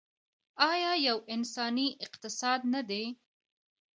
آیا یو انساني اقتصاد نه دی؟